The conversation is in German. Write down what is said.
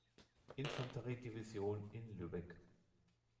Infanterie-Division in Lübeck.